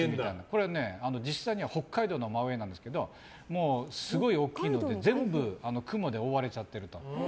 これは実際には北海道の真上なんですけどすごい大きいので全部、雲で覆われちゃってると。